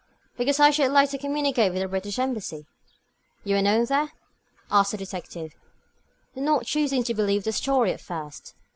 "Because I should like to communicate with the British Embassy." "You are known there?" asked the detective, not choosing to believe the story at first.